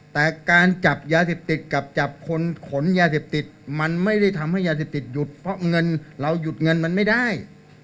แต่การจับยาเสพติดกับจับคนขนยาเสพติดมันไม่ได้ทำให้ยาเสพติดหยุดเพราะเงินเราหยุดเงินมันไม่ได้